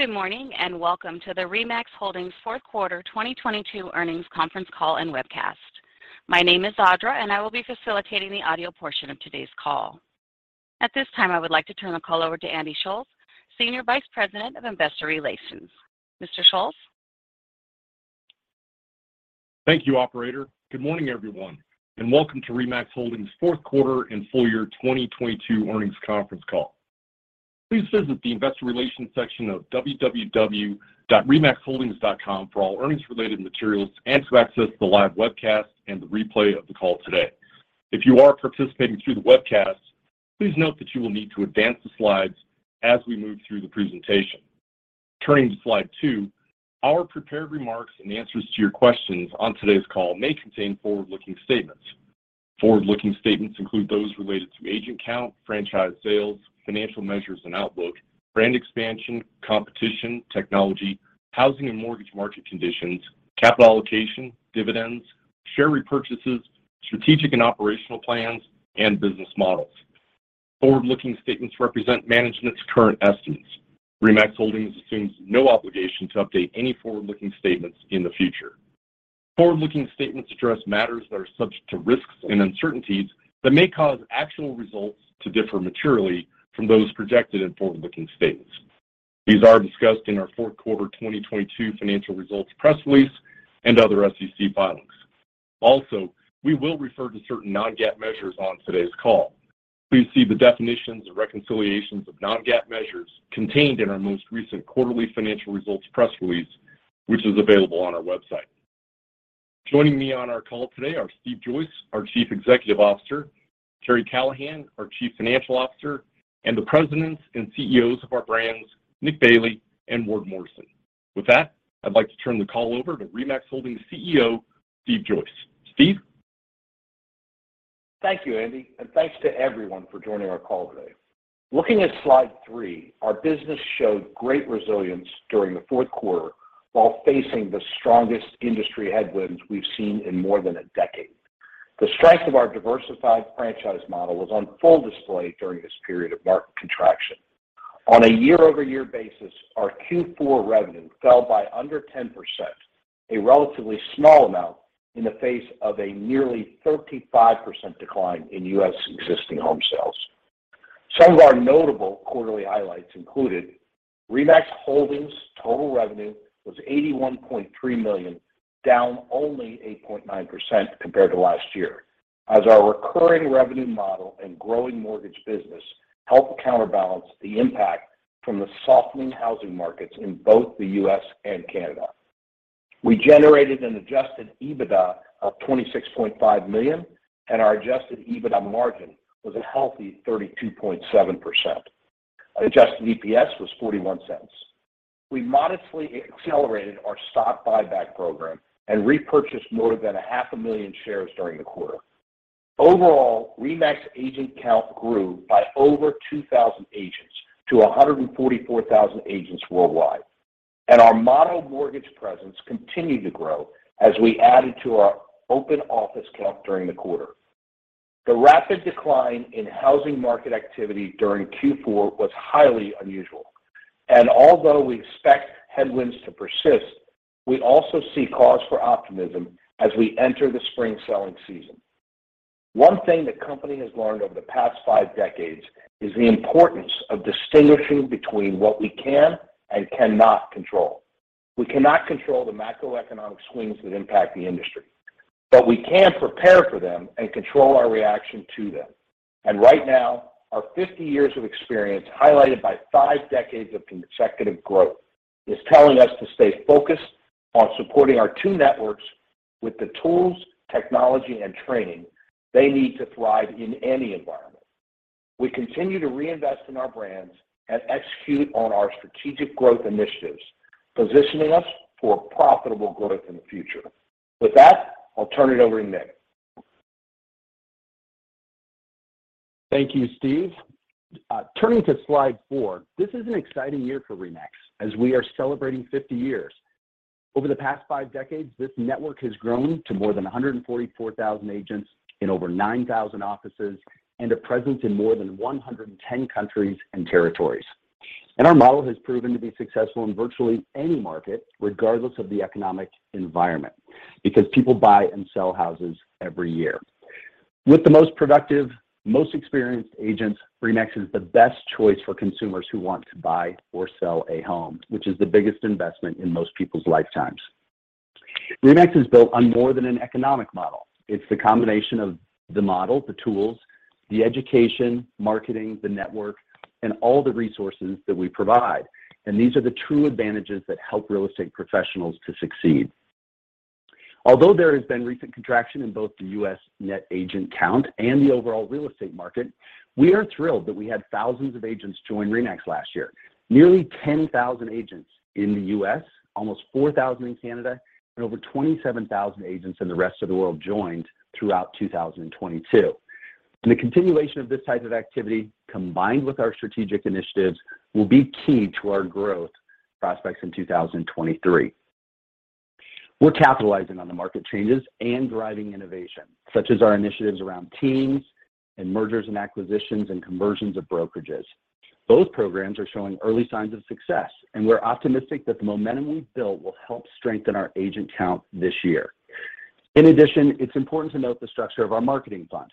Good morning, welcome to the RE/MAX Holdings Fourth Quarter 2022 Earnings Conference Call and Webcast. My name is Audra, and I will be facilitating the audio portion of today's call. At this time, I would like to turn the call over to Andy Schulz, Senior Vice President of Investor Relations. Mr. Schulz? Thank you, operator. Good morning, everyone, and welcome to RE/MAX Holdings fourth quarter and full year 2022 earnings conference call. Please visit the investor relations section of www.remaxholdings.com for all earnings-related materials and to access the live webcast and the replay of the call today. If you are participating through the webcast, please note that you will need to advance the slides as we move through the presentation. Turning to slide 2, our prepared remarks and answers to your questions on today's call may contain forward-looking statements. Forward-looking statements include those related to agent count, franchise sales, financial measures and outlook, brand expansion, competition, technology, housing and mortgage market conditions, capital allocation, dividends, share repurchases, strategic and operational plans, and business models. Forward-looking statements represent management's current estimates. RE/MAX Holdings assumes no obligation to update any forward-looking statements in the future. Forward-looking statements address matters that are subject to risks and uncertainties that may cause actual results to differ materially from those projected in forward-looking statements. These are discussed in our fourth quarter 2022 financial results press release and other SEC filings. We will refer to certain non-GAAP measures on today's call. Please see the definitions and reconciliations of non-GAAP measures contained in our most recent quarterly financial results press release, which is available on our website. Joining me on our call today are Steve Joyce, our Chief Executive Officer, Karri Callahan, our Chief Financial Officer, and the Presidents and CEOs of our brands, Nick Bailey and Ward Morrison. With that, I'd like to turn the call over to RE/MAX Holdings CEO, Steve Joyce. Steve? Thank you, Andy, and thanks to everyone for joining our call today. Looking at slide 3, our business showed great resilience during the fourth quarter while facing the strongest industry headwinds we've seen in more than a decade. The strength of our diversified franchise model was on full display during this period of market contraction. On a year-over-year basis, our Q4 revenue fell by under 10%, a relatively small amount in the face of a nearly 35% decline in U.S. existing home sales. Some of our notable quarterly highlights included RE/MAX Holdings total revenue was $81.3 million, down only 8.9% compared to last year, as our recurring revenue model and growing mortgage business helped counterbalance the impact from the softening housing markets in both the U.S. and Canada. We generated an Adjusted EBITDA of $26.5 million. Our Adjusted EBITDA margin was a healthy 32.7%. Adjusted EPS was $0.41. We modestly accelerated our stock buyback program and repurchased more than a half a million shares during the quarter. Overall, RE/MAX agent count grew by over 2,000 agents to 144,000 agents worldwide, and our Motto Mortgage presence continued to grow as we added to our open office count during the quarter. The rapid decline in housing market activity during Q4 was highly unusual, and although we expect headwinds to persist, we also see cause for optimism as we enter the spring selling season. One thing the company has learned over the past five decades is the importance of distinguishing between what we can and cannot control. We cannot control the macroeconomic swings that impact the industry, but we can prepare for them and control our reaction to them. Right now, our 50 years of experience, highlighted by five decades of consecutive growth, is telling us to stay focused on supporting our two networks with the tools, technology, and training they need to thrive in any environment. We continue to reinvest in our brands and execute on our strategic growth initiatives, positioning us for profitable growth in the future. With that, I'll turn it over to Nick. Thank you, Steve. Turning to slide 4, this is an exciting year for RE/MAX as we are celebrating 50 years. Over the past five decades, this network has grown to more than 144,000 agents in over 9,000 offices and a presence in more than 110 countries and territories. Our model has proven to be successful in virtually any market, regardless of the economic environment, because people buy and sell houses every year. With the most productive, most experienced agents, RE/MAX is the best choice for consumers who want to buy or sell a home, which is the biggest investment in most people's lifetimes. RE/MAX is built on more than an economic model. It's the combination of the model, the tools, the education, marketing, the network, and all the resources that we provide. These are the true advantages that help real estate professionals to succeed. Although there has been recent contraction in both the U.S. net agent count and the overall real estate market, we are thrilled that we had thousands of agents join RE/MAX last year. Nearly 10,000 agents in the U.S., almost 4,000 in Canada, and over 27,000 agents in the rest of the world joined throughout 2022. The continuation of this type of activity, combined with our strategic initiatives, will be key to our growth prospects in 2023. We're capitalizing on the market changes and driving innovation, such as our initiatives around teams and mergers and acquisitions and conversions of brokerages. Both programs are showing early signs of success, and we're optimistic that the momentum we've built will help strengthen our agent count this year. In addition, it's important to note the structure of our marketing fund.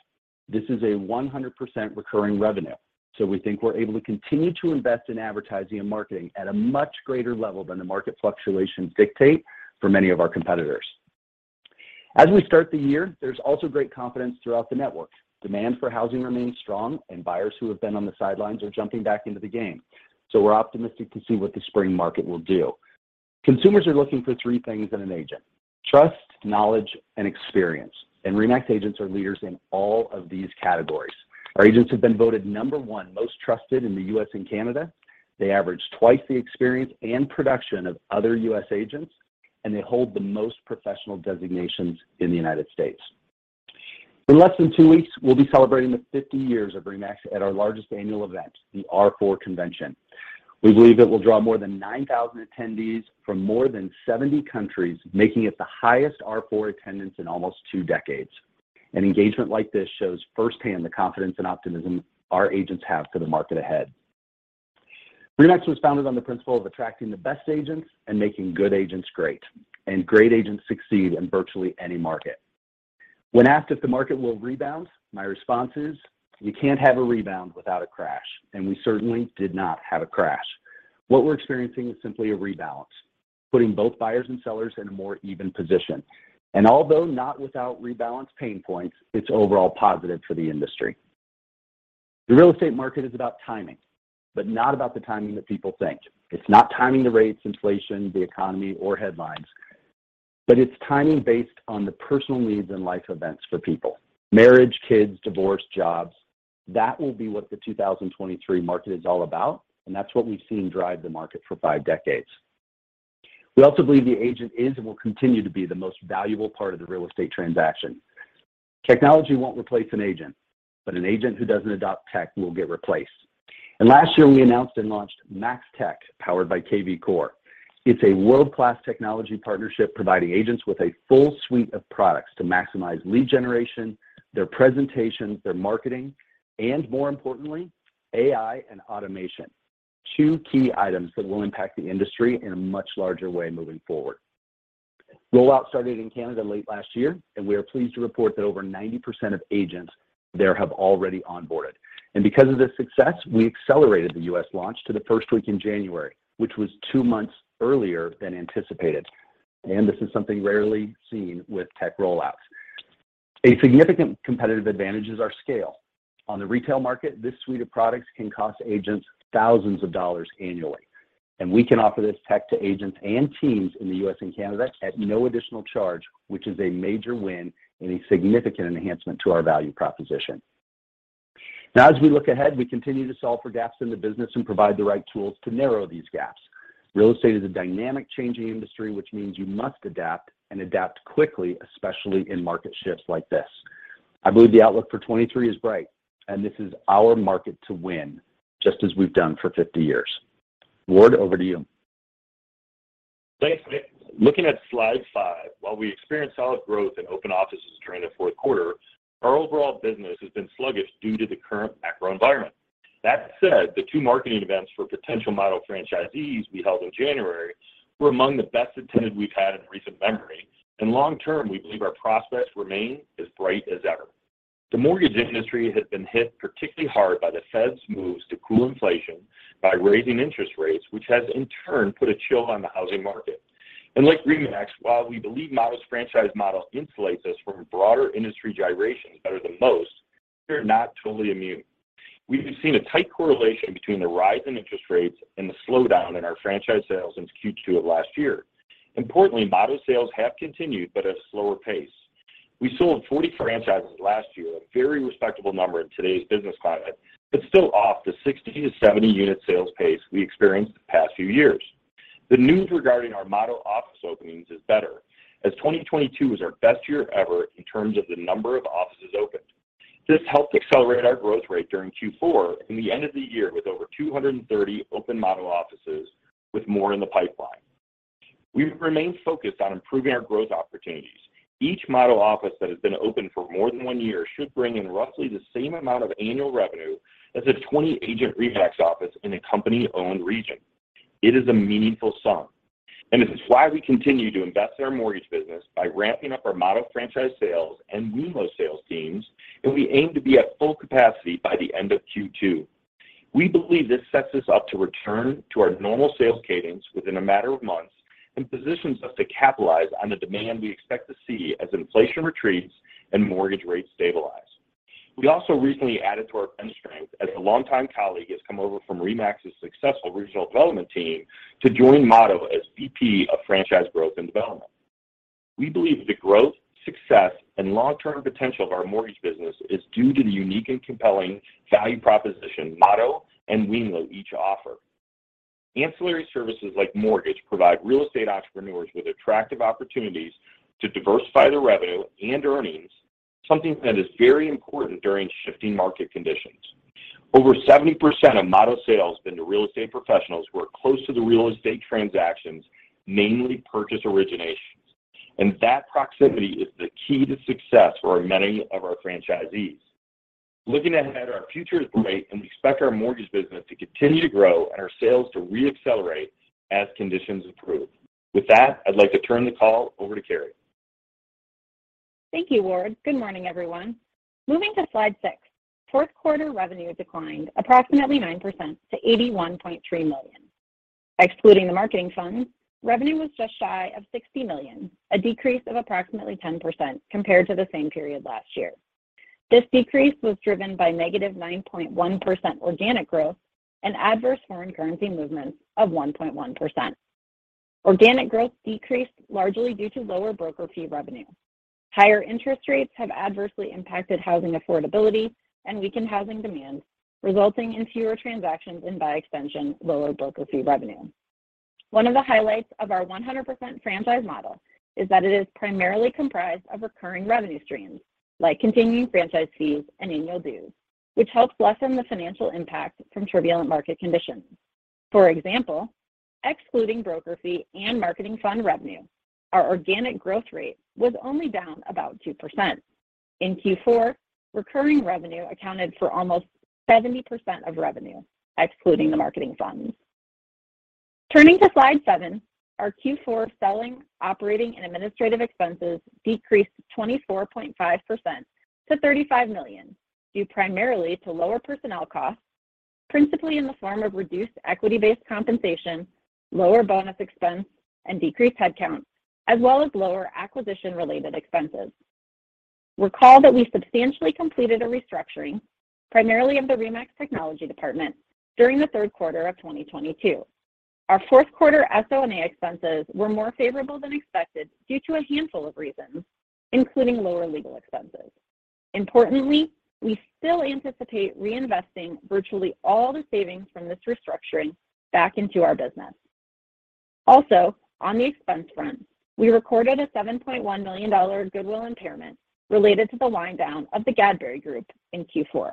This is a 100% recurring revenue, so we think we're able to continue to invest in advertising and marketing at a much greater level than the market fluctuations dictate for many of our competitors. As we start the year, there's also great confidence throughout the network. Demand for housing remains strong, and buyers who have been on the sidelines are jumping back into the game. We're optimistic to see what the spring market will do. Consumers are looking for three things in an agent: trust, knowledge, and experience, and RE/MAX agents are leaders in all of these categories. Our agents have been voted number one most trusted in the U.S. and Canada. They average twice the experience and production of other U.S. agents, and they hold the most professional designations in the United States. In less than two weeks, we'll be celebrating the 50 years of RE/MAX at our largest annual event, the R4 convention. We believe it will draw more than 9,000 attendees from more than 70 countries, making it the highest R4 attendance in almost two decades. An engagement like this shows firsthand the confidence and optimism our agents have for the market ahead. RE/MAX was founded on the principle of attracting the best agents and making good agents great agents succeed in virtually any market. When asked if the market will rebound, my response is, you can't have a rebound without a crash, we certainly did not have a crash. What we're experiencing is simply a rebalance, putting both buyers and sellers in a more even position. Although not without rebalance pain points, it's overall positive for the industry. The real estate market is about timing, but not about the timing that people think. It's not timing the rates, inflation, the economy, or headlines, but it's timing based on the personal needs and life events for people. Marriage, kids, divorce, jobs. That will be what the 2023 market is all about, and that's what we've seen drive the market for five decades. We also believe the agent is and will continue to be the most valuable part of the real estate transaction. Technology won't replace an agent, but an agent who doesn't adopt tech will get replaced. Last year, we announced and launched MAX/Tech, powered by kvCORE. It's a world-class technology partnership providing agents with a full suite of products to maximize lead generation, their presentations, their marketing, and more importantly, AI and automation. Two key items that will impact the industry in a much larger way moving forward. Rollout started in Canada late last year, we are pleased to report that over 90% of agents there have already onboarded. Because of the success, we accelerated the U.S. launch to the first week in January, which was two months earlier than anticipated. This is something rarely seen with tech rollouts. A significant competitive advantage is our scale. On the retail market, this suite of products can cost agents thousands of dollars annually, we can offer this tech to agents and teams in the U.S. and Canada at no additional charge, which is a major win and a significant enhancement to our value proposition. Now as we look ahead, we continue to solve for gaps in the business and provide the right tools to narrow these gaps. Real estate is a dynamic changing industry, which means you must adapt and adapt quickly, especially in market shifts like this. I believe the outlook for 2023 is bright. This is our market to win, just as we've done for 50 years. Ward, over to you. Thanks, Nick. Looking at slide 5, while we experienced solid growth in open offices during the fourth quarter, our overall business has been sluggish due to the current macro environment. That said, the two marketing events for potential Motto franchisees we held in January were among the best attended we've had in recent memory, and long term, we believe our prospects remain as bright as ever. The mortgage industry has been hit particularly hard by the Fed's moves to cool inflation by raising interest rates, which has in turn put a chill on the housing market. Like RE/MAX, while we believe Motto's franchise model insulates us from broader industry gyrations better than most, we are not totally immune. We've seen a tight correlation between the rise in interest rates and the slowdown in our franchise sales since Q2 of last year. Importantly, Motto sales have continued but at a slower pace. We sold 40 franchises last year, a very respectable number in today's business climate, but still off the 60-70 unit sales pace we experienced the past few years. The news regarding our Motto office openings is better, as 2022 was our best year ever in terms of the number of offices opened. This helped accelerate our growth rate during Q4 and the end of the year with over 230 open Motto offices with more in the pipeline. We've remained focused on improving our growth opportunities. Each Motto office that has been open for more than one year should bring in roughly the same amount of annual revenue as a 20-agent RE/MAX office in a company-owned region. It is a meaningful sum, and this is why we continue to invest in our mortgage business by ramping up our Motto franchise sales and Wemlo sales teams, and we aim to be at full capacity by the end of Q2. We believe this sets us up to return to our normal sales cadence within a matter of months and positions us to capitalize on the demand we expect to see as inflation retreats and mortgage rates stabilize. We also recently added to our bench strength as a longtime colleague has come over from RE/MAX's successful regional development team to join Motto as VP of Franchise Growth and Development. We believe the growth, success, and long-term potential of our mortgage business is due to the unique and compelling value proposition Motto and Wemlo each offer. Ancillary services like mortgage provide real estate entrepreneurs with attractive opportunities to diversify their revenue and earnings, something that is very important during shifting market conditions. Over 70% of Motto sales have been to real estate professionals who are close to the real estate transactions, mainly purchase originations. That proximity is the key to success for many of our franchisees. Looking ahead, our future is bright, and we expect our mortgage business to continue to grow and our sales to re-accelerate as conditions improve. With that, I'd like to turn the call over to Karri. Thank you, Ward. Good morning, everyone. Moving to slide 6. Fourth quarter revenue declined approximately 9% to $81.3 million. Excluding the marketing funds, revenue was just shy of $60 million, a decrease of approximately 10% compared to the same period last year. This decrease was driven by negative 9.1% organic growth and adverse foreign currency movements of 1.1%. Organic growth decreased largely due to lower broker fee revenue. Higher interest rates have adversely impacted housing affordability and weakened housing demand, resulting in fewer transactions and by extension, lower broker fee revenue. One of the highlights of our 100% franchise model is that it is primarily comprised of recurring revenue streams, like continuing franchise fees and annual dues, which helps lessen the financial impact from turbulent market conditions. For example, excluding broker fee and marketing fund revenue, our organic growth rate was only down about 2%. In Q4, recurring revenue accounted for almost 70% of revenue, excluding the marketing funds. Turning to slide 7, our Q4 selling, operating, and administrative expenses decreased 24.5% to $35 million, due primarily to lower personnel costs, principally in the form of reduced equity-based compensation, lower bonus expense, and decreased headcount, as well as lower acquisition-related expenses. Recall that we substantially completed a restructuring, primarily of the RE/MAX technology department, during the third quarter of 2022. Our fourth quarter SO&A expenses were more favorable than expected due to a handful of reasons, including lower legal expenses. Importantly, we still anticipate reinvesting virtually all the savings from this restructuring back into our business. On the expense front, we recorded a $7.1 million goodwill impairment related to the wind down of the Gadberry Group in Q4.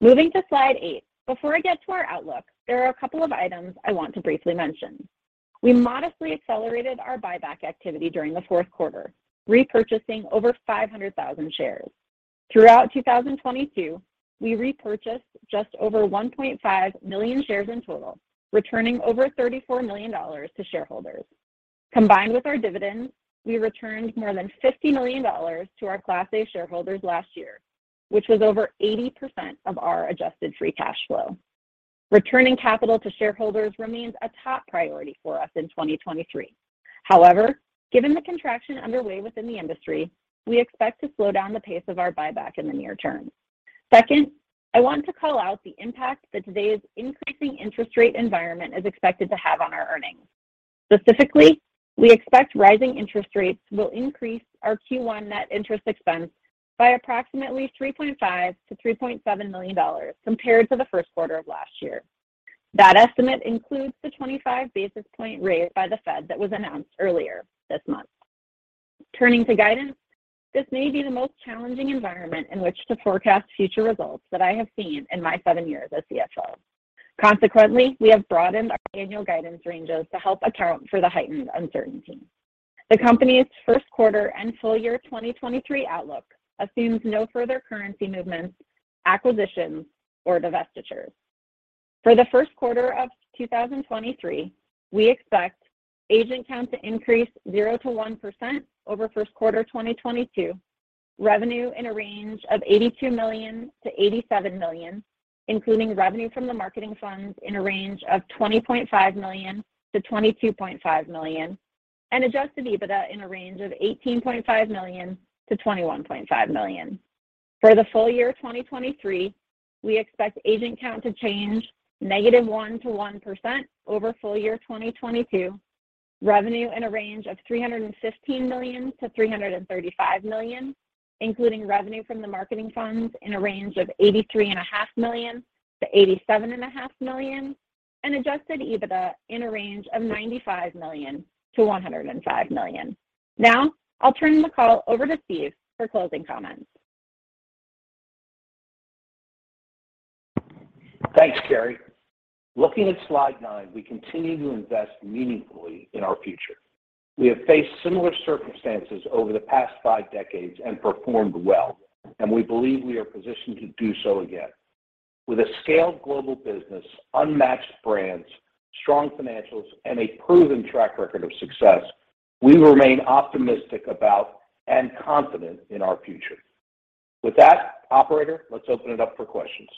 Moving to slide 8. Before I get to our outlook, there are a couple of items I want to briefly mention. We modestly accelerated our buyback activity during the fourth quarter, repurchasing over 500,000 shares. Throughout 2022, we repurchased just over 1.5 million shares in total, returning over $34 million to shareholders. Combined with our dividends, we returned more than $50 million to our Class A shareholders last year, which was over 80% of our Adjusted Free Cash Flow. Returning capital to shareholders remains a top priority for us in 2023. Given the contraction underway within the industry, we expect to slow down the pace of our buyback in the near term. Second, I want to call out the impact that today's increasing interest rate environment is expected to have on our earnings. Specifically, we expect rising interest rates will increase our Q1 net interest expense by approximately $3.5 million-$3.7 million compared to the first quarter of last year. That estimate includes the 25 basis point rate by the Fed that was announced earlier this month. Turning to guidance, this may be the most challenging environment in which to forecast future results that I have seen in my seven years at CFO. Consequently, we have broadened our annual guidance ranges to help account for the heightened uncertainty. The company's first quarter and full year 2023 outlook assumes no further currency movements, acquisitions, or divestitures. For the first quarter of 2023, we expect agent count to increase 0%-1% over first quarter 2022, revenue in a range of $82 million-$87 million, including revenue from the marketing funds in a range of $20.5 million-$22.5 million, and Adjusted EBITDA in a range of $18.5 million-$21.5 million. For the full year 2023, we expect agent count to change -1%-1% over full year 2022, revenue in a range of $315 million-$335 million, including revenue from the marketing funds in a range of $83.5 million-$87.5 million, and Adjusted EBITDA in a range of $95 million-$105 million. Now, I'll turn the call over to Steve for closing comments. Thanks, Karri. Looking at slide 9, we continue to invest meaningfully in our future. We have faced similar circumstances over the past five decades and performed well, and we believe we are positioned to do so again. With a scaled global business, unmatched brands, strong financials, and a proven track record of success, we remain optimistic about and confident in our future. With that, operator, let's open it up for questions.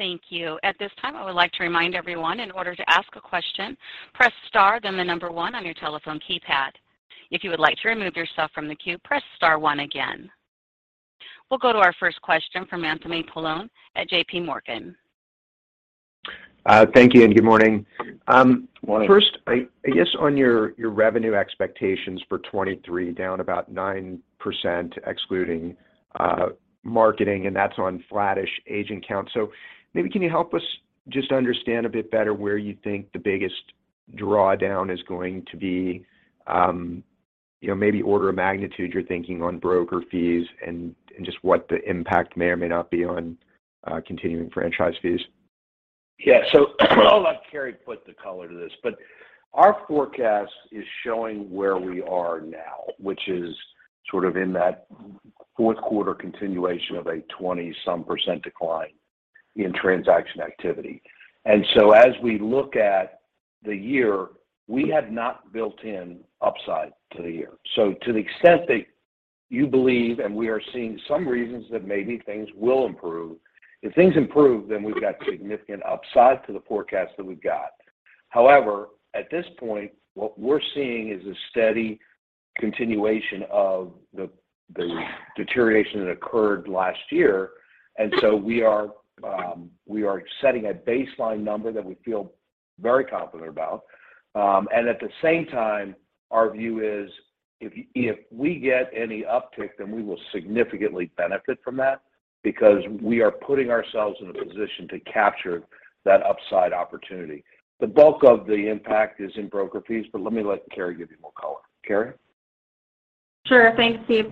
Thank you. At this time, I would like to remind everyone in order to ask a question, press star, then the number one on your telephone keypad. If you would like to remove yourself from the queue, press star one again. We'll go to our first question from Anthony Paolone at JPMorgan. Thank you, and good morning. Morning. First, I guess on your revenue expectations for 2023 down about 9% excluding marketing, and that's on flattish agent count. Maybe can you help us just understand a bit better where you think the biggest drawdown is going to be? You know, maybe order of magnitude you're thinking on broker fees and just what the impact may or may not be on continuing franchise fees. I'll let Karri put the color to this, but our forecast is showing where we are now, which is sort of in that fourth quarter continuation of a 20 some % decline in transaction activity. As we look at the year, we have not built in upside to the year. To the extent that you believe, and we are seeing some reasons that maybe things will improve, if things improve, then we've got significant upside to the forecast that we've got. However, at this point, what we're seeing is a steady continuation of the deterioration that occurred last year. We are setting a baseline number that we feel very confident about. At the same time, our view is if we get any uptick, then we will significantly benefit from that because we are putting ourselves in a position to capture that upside opportunity. The bulk of the impact is in broker fees. Let me let Karri give you more color. Karri? Sure. Thanks, Steve.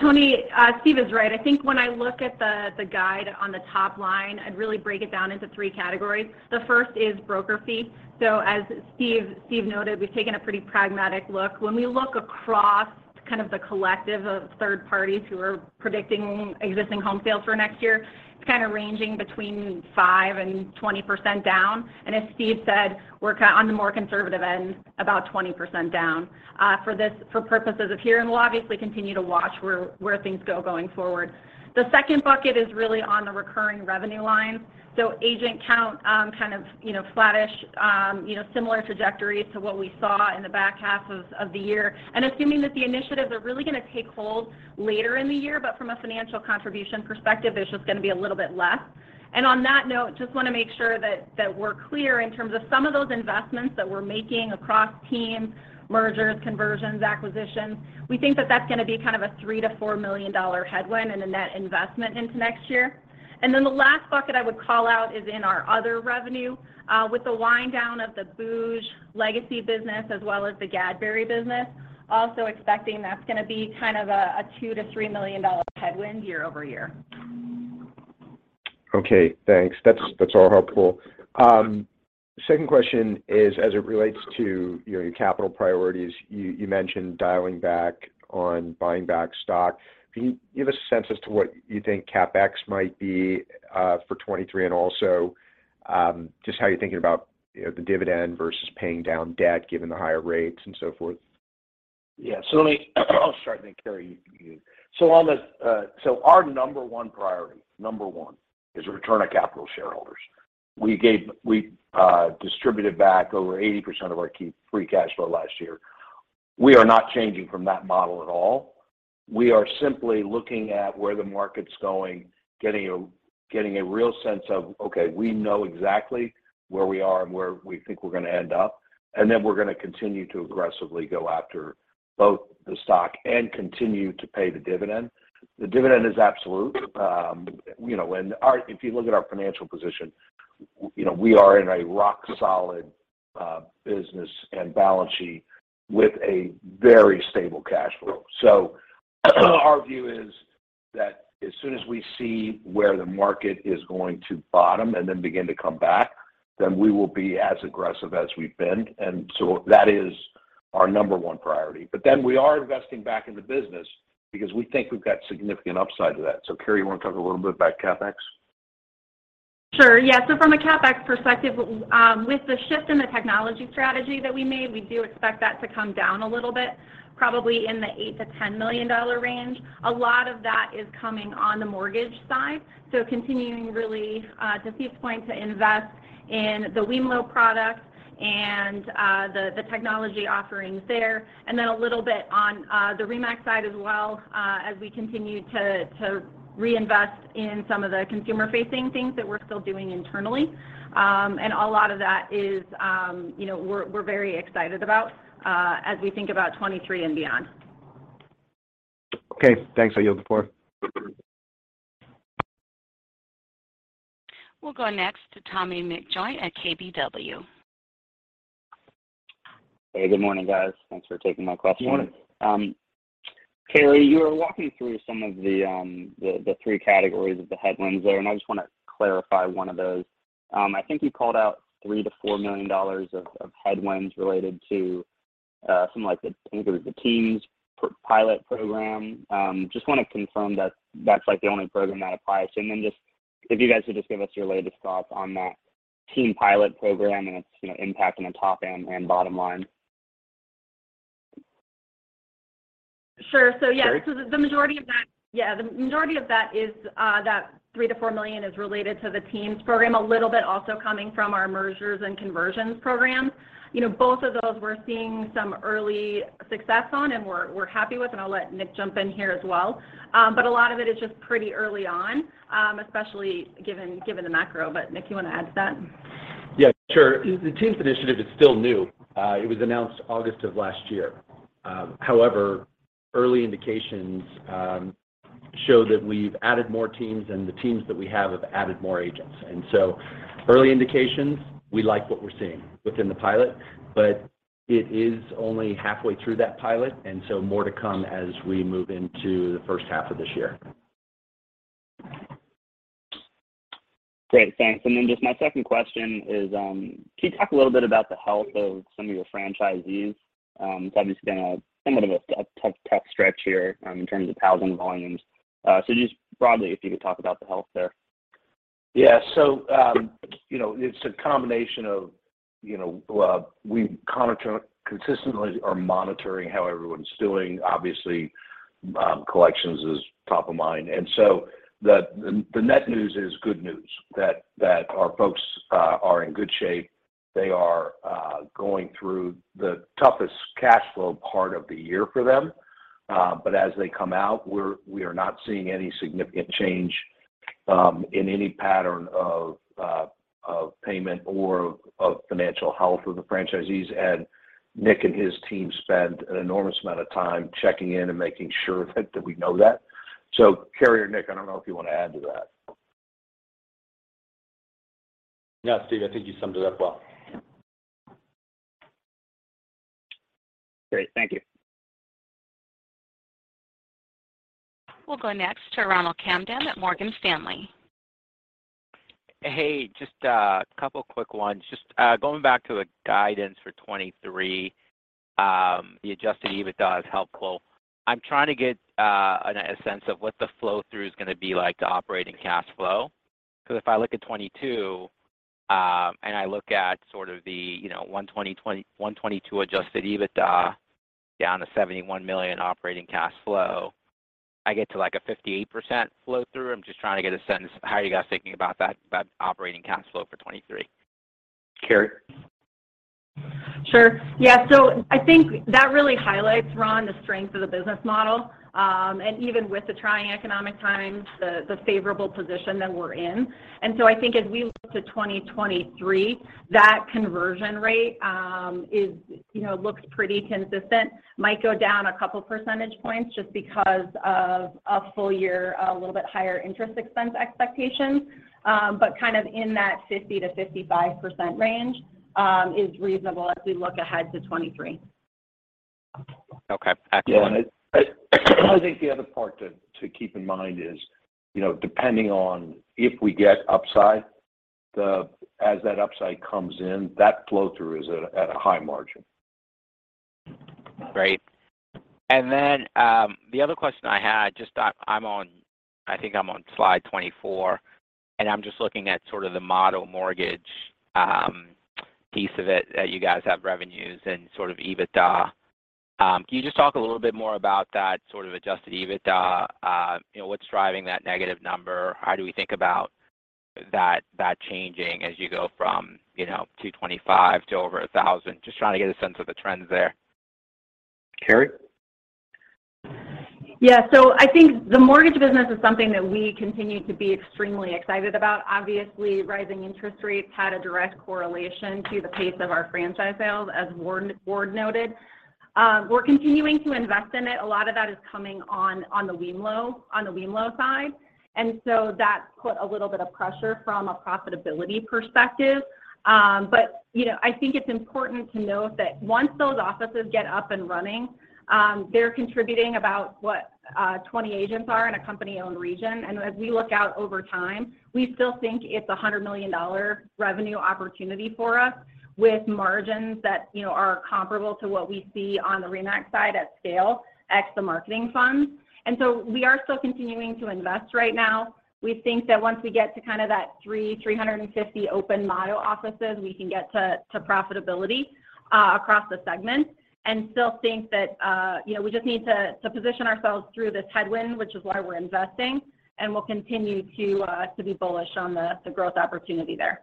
Tony, Steve is right. I think when I look at the guide on the top line, I'd really break it down into three categories. The first is broker fees. As Steve noted, we've taken a pretty pragmatic look. When we look across kind of the collective of third parties who are predicting existing home sales for next year, it's kind of ranging between 5% and 20% down. As Steve said, we're on the more conservative end, about 20% down for purposes of here. We'll obviously continue to watch where things go going forward. The second bucket is really on the recurring revenue line. Agent count, kind of, you know, flattish, you know, similar trajectory to what we saw in the back half of the year. Assuming that the initiatives are really gonna take hold later in the year, but from a financial contribution perspective, there's just gonna be a little bit less. On that note, just wanna make sure that we're clear in terms of some of those investments that we're making across teams, mergers, conversions, acquisitions. We think that that's gonna be kind of a $3 million-$4 million headwind and a net investment into next year. The last bucket I would call out is in our other revenue, with the wind down of the booj legacy business as well as the Gadberry business. Also expecting that's gonna be kind of a $2 million-$3 million headwind year-over-year. Okay, thanks. That's all helpful. Second question is as it relates to, you know, your capital priorities. You mentioned dialing back on buying back stock. Can you give us a sense as to what you think CapEx might be for 2023 and also, just how you're thinking about, you know, the dividend versus paying down debt given the higher rates and so forth? Yeah. Let me, I'll start and then Karri, you. Our number one priority, number one is return on capital shareholders. We distributed back over 80% of our key free cash flow last year. We are not changing from that model at all. We are simply looking at where the market's going, getting a real sense of, okay, we know exactly where we are and where we think we're gonna end up, and then we're gonna continue to aggressively go after both the stock and continue to pay the dividend. The dividend is absolute. You know, if you look at our financial position, you know, we are in a rock solid business and balance sheet with a very stable cash flow. Our view is that as soon as we see where the market is going to bottom and then begin to come back, then we will be as aggressive as we've been. That is our number one priority. We are investing back in the business because we think we've got significant upside to that. Karri, you wanna talk a little bit about CapEx? Sure, yeah. From a CapEx perspective, with the shift in the technology strategy that we made, we do expect that to come down a little bit, probably in the $8 million-$10 million range. A lot of that is coming on the mortgage side. Continuing really, to Steve's point, to invest in the Wemlo product and the technology offerings there, and then a little bit on the RE/MAX side as well, as we continue to reinvest in some of the consumer-facing things that we're still doing internally. And a lot of that is, you know, we're very excited about, as we think about 2023 and beyond. Okay, thanks. I yield the floor. We'll go next to Thomas McJoynt-Griffith at KBW. Hey, good morning, guys. Thanks for taking my question. Morning. Karri, you were walking through some of the three categories of the headwinds there, and I just wanna clarify one of those. I think you called out $3 million-$4 million of headwinds related to some I think it was the teams pilot program. Just wanna confirm that that's like the only program that applies. Just if you guys could just give us your latest thoughts on that team pilot program, and its, you know, impact on the top and bottom line. Sure. yeah. Sorry. Yeah, the majority of that is that $3 million-$4 million is related to the teams program. A little bit also coming from our mergers and conversions programs. You know, both of those we're seeing some early success on and we're happy with, and I'll let Nick jump in here as well. A lot of it is just pretty early on, especially given the macro. Nick, you wanna add to that? Yeah, sure. The teams initiative is still new. It was announced August of last year. However, early indications. Show that we've added more teams. The teams that we have have added more agents. Early indications, we like what we're seeing within the pilot, but it is only halfway through that pilot, and so more to come as we move into the first half of this year. Great. Thanks. Just my second question is, can you talk a little bit about the health of some of your franchisees? It's obviously been somewhat of a tough stretch here in terms of housing volumes. Just broadly, if you could talk about the health there. Yeah. You know, it's a combination of, you know, consistently are monitoring how everyone's doing. Obviously, collections is top of mind. The net news is good news, that our folks are in good shape. They are going through the toughest cash flow part of the year for them. As they come out, we are not seeing any significant change in any pattern of payment or of financial health of the franchisees. Nick and his team spend an enormous amount of time checking in and making sure that we know that. Karri or Nick, I don't know if you wanna add to that. No, Steve, I think you summed it up well. Great. Thank you. We'll go next to Ronald Kamdem at Morgan Stanley. Hey, just a couple quick ones. Just going back to the guidance for 2023, the Adjusted EBITDA is helpful. I'm trying to get a sense of what the flow-through is gonna be like to operating cash flow. If I look at 2022, and I look at sort of the, you know, $122 million Adjusted EBITDA down to $71 million operating cash flow, I get to, like, a 58% flow through. I'm just trying to get a sense how are you guys thinking about that operating cash flow for 2023? Karrie. Sure. Yeah. I think that really highlights, Ron, the strength of the business model, and even with the trying economic times, the favorable position that we're in. I think as we look to 2023, that conversion rate is, you know, looks pretty consistent. Might go down a couple percentage points just because of a full year, a little bit higher interest expense expectations. But kind of in that 50%-55% range is reasonable as we look ahead to 2023. Okay. Excellent. Yeah. I think the other part to keep in mind is, you know, depending on if we get upside, as that upside comes in, that flow-through is at a high margin. Great. The other question I had, I think I'm on slide 24, and I'm just looking at sort of the Motto Mortgage piece of it that you guys have revenues and sort of EBITDA. Can you just talk a little bit more about that sort of Adjusted EBITDA? You know, what's driving that negative number? How do we think about that changing as you go from, you know, 225 to over 1,000? Just trying to get a sense of the trends there. Karri. I think the mortgage business is something that we continue to be extremely excited about. Obviously, rising interest rates had a direct correlation to the pace of our franchise sales, as Ward noted. We're continuing to invest in it. A lot of that is coming on the Wemlo side. That's put a little bit of pressure from a profitability perspective. You know, I think it's important to note that once those offices get up and running, they're contributing about what, 20 agents are in a company-owned region. As we look out over time, we still think it's a $100 million revenue opportunity for us with margins that, you know, are comparable to what we see on the RE/MAX side at scale, ex the marketing funds. We are still continuing to invest right now. We think that once we get to kind of that 350 open Motto offices, we can get to profitability across the segment, and still think that, you know, we just need to position ourselves through this headwind, which is why we're investing, and we'll continue to be bullish on the growth opportunity there.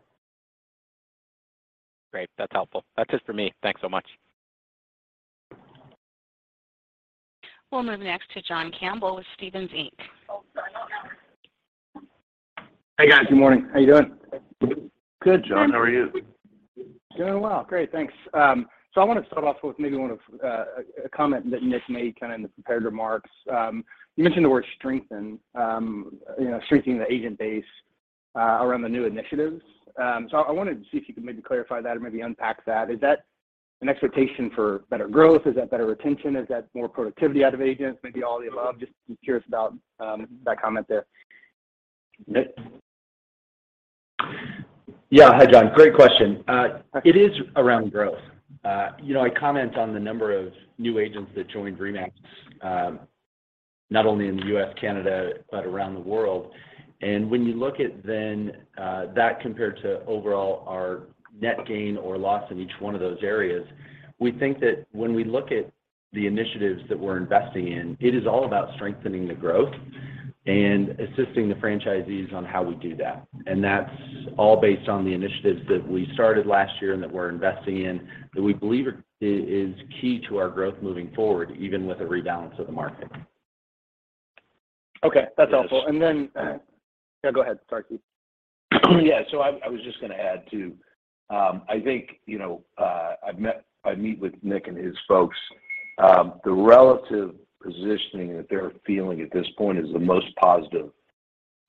Great. That's helpful. That's it for me. Thanks so much. We'll move next to John Campbell with Stephens Inc. Hey, guys. Good morning. How you doing? Good, John. How are you? Doing well. Great. Thanks. I wanna start off with maybe one of, a comment that Nick made kinda in the prepared remarks. You mentioned the word strengthen, you know, strengthening the agent base, around the new initiatives. I wanted to see if you could maybe clarify that or maybe unpack that. Is that an expectation for better growth? Is that better retention? Is that more productivity out of agents? Maybe all of the above. Just curious about, that comment there. Nick. Yeah. Hi, John. Great question. It is around growth. you know, I comment on the number of new agents that joined RE/MAX, not only in the U.S., Canada, but around the world. When you look at then, that compared to overall our net gain or loss in each one of those areas, we think that when we look at the initiatives that we're investing in, it is all about strengthening the growth and assisting the franchisees on how we do that. That's all based on the initiatives that we started last year and that we're investing in that we believe it is key to our growth moving forward, even with a rebalance of the market. Okay. That's helpful.... Yeah, go ahead. Sorry. Yeah. I was just gonna add too. I think, you know, I meet with Nick and his folks. The relative positioning that they're feeling at this point is the most positive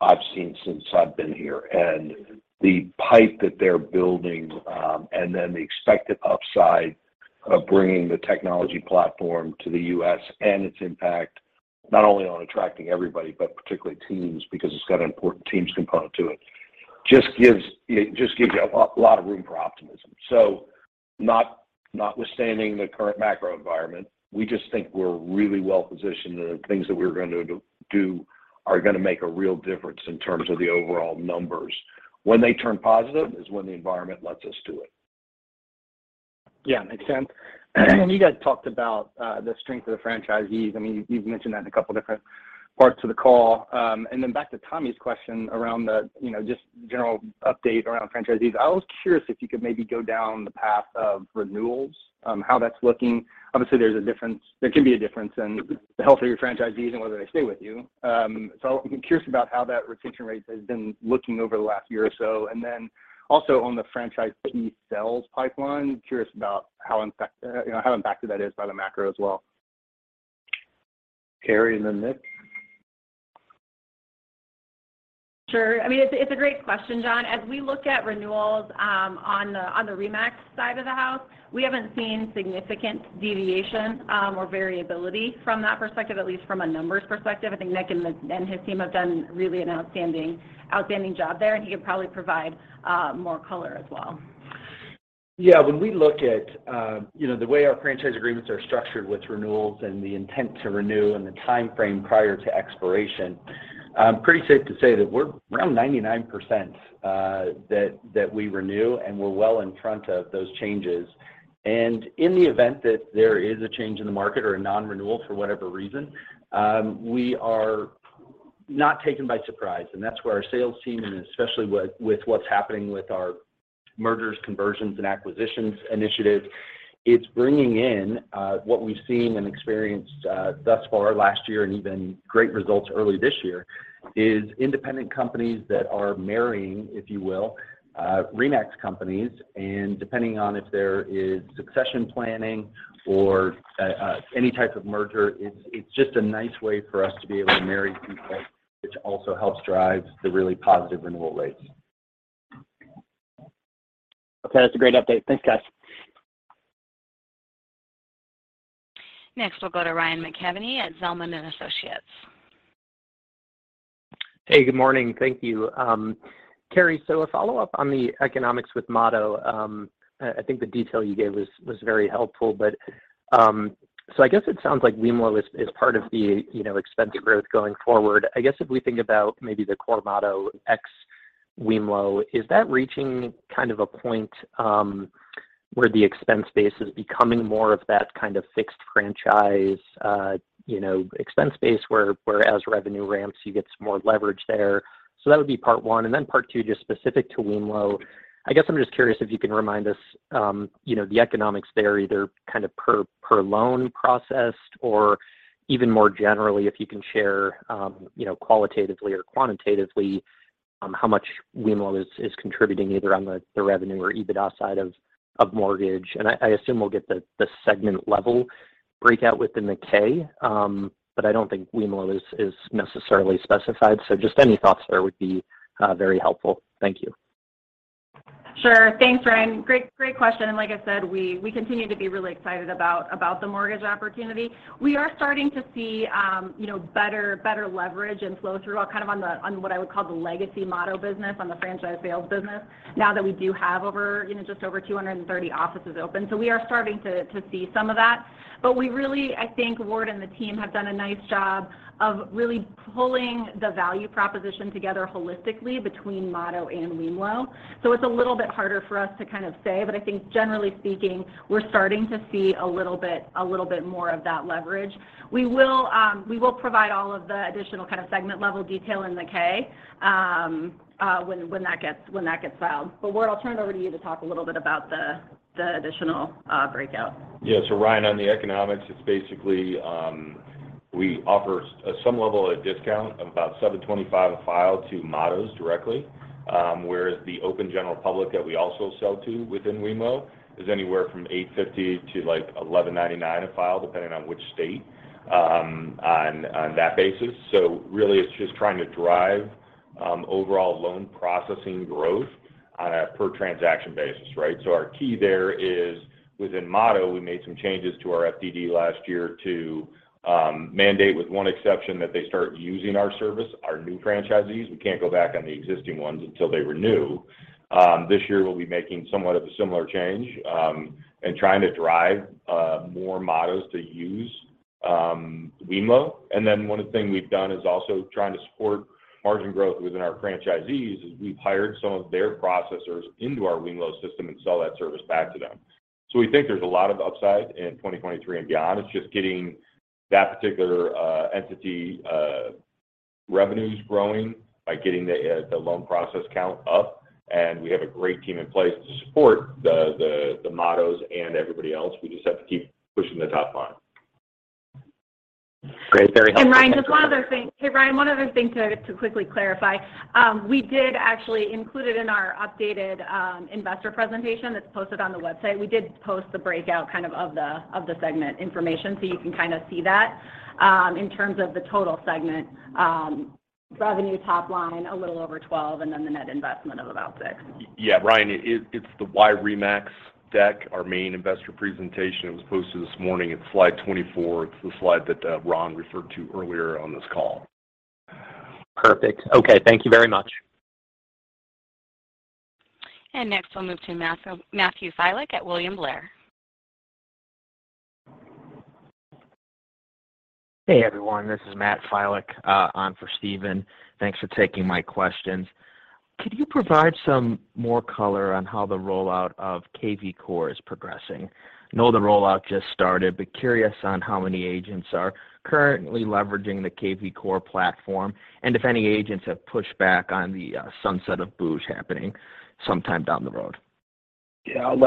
I've seen since I've been here. The pipe that they're building, and then the expected upside of bringing the technology platform to the U.S. and its impact, not only on attracting everybody, but particularly teams, because it's got an important teams component to it just gives you a lot of room for optimism. Notwithstanding the current macro environment, we just think we're really well positioned, and the things that we're gonna do are gonna make a real difference in terms of the overall numbers. When they turn positive is when the environment lets us do it. Yeah. Makes sense. When you guys talked about the strength of the franchisees, I mean, you've mentioned that in a couple different parts of the call. Back to Tommy's question around the, you know, just general update around franchisees. I was curious if you could maybe go down the path of renewals, how that's looking. Obviously, there can be a difference in the health of your franchisees and whether they stay with you. I'm curious about how that retention rate has been looking over the last year or so. Also on the franchisee sales pipeline, curious about how impacted that is by the macro as well. Karri and then Nick. Sure. I mean, it's a great question, John. As we look at renewals, on the RE/MAX side of the house, we haven't seen significant deviation or variability from that perspective, at least from a numbers perspective. I think Nick and his team have done really an outstanding job there, he can probably provide more color as well. Yeah. When we look at, you know, the way our franchise agreements are structured with renewals and the intent to renew and the timeframe prior to expiration, I'm pretty safe to say that we're around 99% that we renew, and we're well in front of those changes. In the event that there is a change in the market or a non-renewal for whatever reason, we are not taken by surprise, and that's where our sales team, and especially with what's happening with our mergers, conversions, and acquisitions initiative, it's bringing in, what we've seen and experienced, thus far last year and even great results early this year, is independent companies that are marrying, if you will, RE/MAX companies. Depending on if there is succession planning or any type of merger, it's just a nice way for us to be able to marry people, which also helps drive the really positive renewal rates. Okay. That's a great update. Thanks, guys. Next, we'll go to Ryan McKeveny at Zelman & Associates. Hey, good morning. Thank you. Karri, a follow-up on the economics with Motto. I think the detail you gave was very helpful. I guess it sounds like Wemlo is part of the, you know, expense growth going forward. I guess if we think about maybe the core Motto ex Wemlo, is that reaching kind of a point where the expense base is becoming more of that kind of fixed franchise, you know, expense base, where as revenue ramps, you get some more leverage there? That would be part one. Part two, just specific to Wemlo. I guess I'm just curious if you can remind us, you know, the economics there, either kind of per loan processed or even more generally, if you can share, you know, qualitatively or quantitatively, how much Wemlo is contributing either on the revenue or EBITDA side of mortgage. I assume we'll get the segment level breakout within the K, but I don't think Wemlo is necessarily specified. So just any thoughts there would be very helpful. Thank you. Sure. Thanks, Ryan. Great question. Like I said, we continue to be really excited about the mortgage opportunity. We are starting to see, you know, better leverage and flow through all kind of on what I would call the legacy Motto business, on the franchise sales business now that we do have over, you know, just over 230 offices open. We are starting to see some of that. We really. I think Ward and the team have done a nice job of really pulling the value proposition together holistically between Motto and Wemlo. It's a little bit harder for us to kind of say, but I think generally speaking, we're starting to see a little bit more of that leverage. We will provide all of the additional kind of segment level detail in the K, when that gets filed. Ward, I'll turn it over to you to talk a little bit about the additional breakout. Yeah. Ryan, on the economics, it's basically, we offer some level of discount of about $7.25 a file to Mottos directly, whereas the open general public that we also sell to within Wemlo is anywhere from $8.50-$11.99 a file, depending on which state, on that basis. Really, it's just trying to drive overall loan processing growth on a per transaction basis, right? Our key there is within Motto, we made some changes to our FDD last year to mandate with one exception that they start using our service, our new franchisees. We can't go back on the existing ones until they renew. This year we'll be making somewhat of a similar change and trying to drive more Mottos to use Wemlo. One of the thing we've done is also trying to support margin growth within our franchisees, is we've hired some of their processors into our Wemlo system and sell that service back to them. We think there's a lot of upside in 2023 and beyond. It's just getting that particular entity revenues growing by getting the loan process count up. We have a great team in place to support the Mottos and everybody else. We just have to keep pushing the top line. Great. Very helpful. Ryan, just one other thing. Hey, Ryan, one other thing to quickly clarify. We did actually include it in our updated investor presentation that's posted on the website. We did post the breakout kind of the segment information, so you can kind of see that in terms of the total segment. Revenue top line a little over 12, and then the net investment of about 6. Yeah. Ryan, it's the Why RE/MAX deck, our main investor presentation. It was posted this morning. It's slide 24. It's the slide that Ron referred to earlier on this call. Perfect. Okay, thank you very much. Next, we'll move to Matthew Filek at William Blair. Hey, everyone. This is Matthew Filek, on for Stephen Sheldon. Thanks for taking my questions. Could you provide some more color on how the rollout of kvCORE is progressing? Know the rollout just started, but curious on how many agents are currently leveraging the kvCORE platform, and if any agents have pushed back on the sunset of booj happening sometime down the road. Yeah, I'll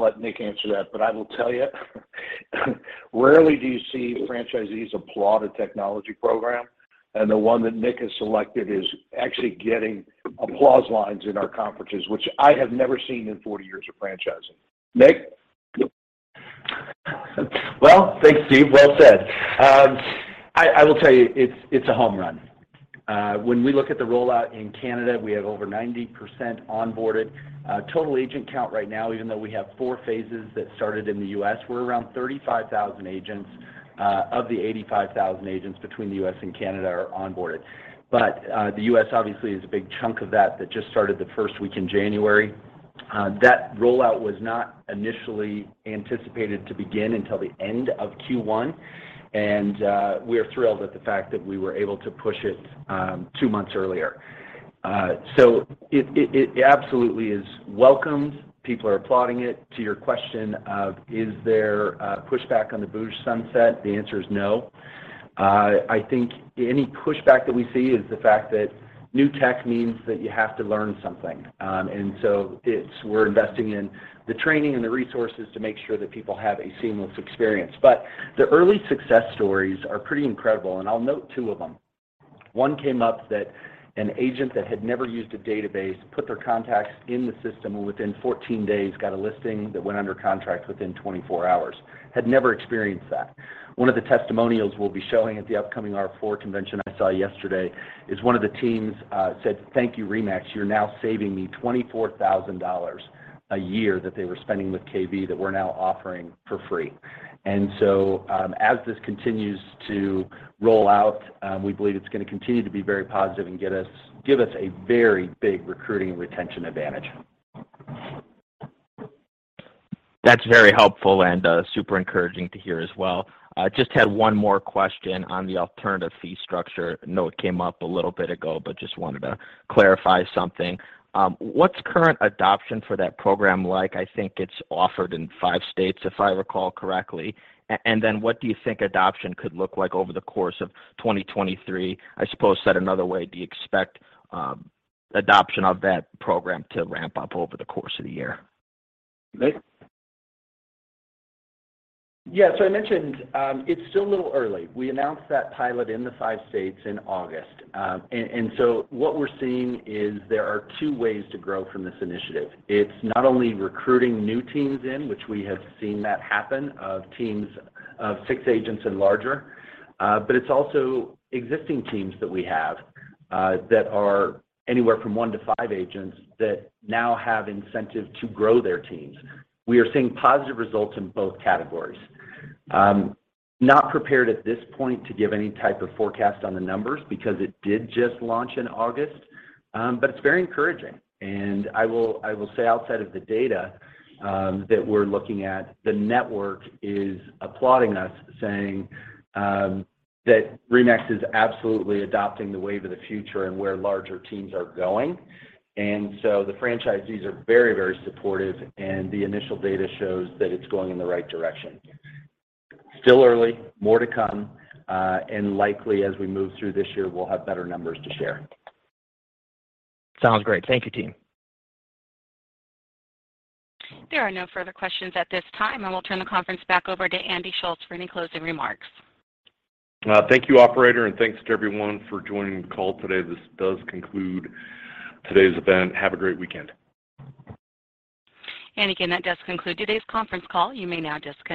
let Nick answer that. I will tell you, rarely do you see franchisees applaud a technology program, and the one that Nick has selected is actually getting applause lines in our conferences, which I have never seen in 40 years of franchising. Nick? Well, thanks, Steve. Well said. I will tell you, it's a home run. When we look at the rollout in Canada, we have over 90% onboarded. Total agent count right now, even though we have four phases that started in the U.S., we're around 35,000 agents, of the 85,000 agents between the U.S. and Canada are onboarded. The U.S. obviously is a big chunk of that that just started the first week in January. That rollout was not initially anticipated to begin until the end of Q1, and we're thrilled at the fact that we were able to push it 2 months earlier. It, it absolutely is welcomed. People are applauding it. To your question of is there pushback on the booj sunset, the answer is no. I think any pushback that we see is the fact that new tech means that you have to learn something. We're investing in the training and the resources to make sure that people have a seamless experience. The early success stories are pretty incredible, and I'll note two of them. One came up that an agent that had never used a database put their contacts in the system, and within 14 days got a listing that went under contract within 24 hours. Had never experienced that. One of the testimonials we'll be showing at the upcoming R4 convention I saw yesterday is one of the teams said, "Thank you, RE/MAX. You're now saving me $24,000 a year," that they were spending with kv that we're now offering for free. As this continues to roll out, we believe it's gonna continue to be very positive and give us a very big recruiting and retention advantage. That's very helpful and super encouraging to hear as well. I just had one more question on the alternative fee structure. I know it came up a little bit ago, but just wanted to clarify something. What's current adoption for that program like? I think it's offered in 5 states, if I recall correctly. What do you think adoption could look like over the course of 2023? I suppose said another way, do you expect adoption of that program to ramp up over the course of the year? Nick? Yeah. I mentioned, it's still a little early. We announced that pilot in the five states in August. What we're seeing is there are two ways to grow from this initiative. It's not only recruiting new teams in which we have seen that happen of teams of six agents and larger, but it's also existing teams that we have, that are anywhere from one to five agents that now have incentive to grow their teams. We are seeing positive results in both categories. Not prepared at this point to give any type of forecast on the numbers because it did just launch in August, but it's very encouraging. I will say outside of the data that we're looking at, the network is applauding us saying that RE/MAX is absolutely adopting the wave of the future and where larger teams are going. The franchisees are very, very supportive, and the initial data shows that it's going in the right direction. Still early, more to come. Likely as we move through this year, we'll have better numbers to share. Sounds great. Thank you, team. There are no further questions at this time, and we'll turn the conference back over to Andy Schulz for any closing remarks. Thank you, operator, and thanks to everyone for joining the call today. This does conclude today's event. Have a great weekend. Again, that does conclude today's conference call. You may now disconnect.